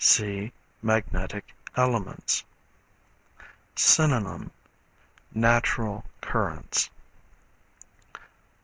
(See Magnetic Elements.) Synonym Natural Currents.